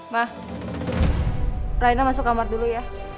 mah raina masuk kamar dulu ya